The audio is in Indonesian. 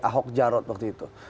ahok jarot waktu itu